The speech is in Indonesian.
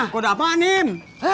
kode apaan im